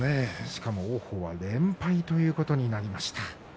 しかも王鵬は連敗ということになりました。